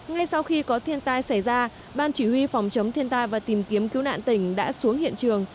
ngay sau khi có thiên tai xảy ra ban chỉ huy phòng chống thiên tai và tìm kiếm cứu nạn tỉnh đã xuống hiện trường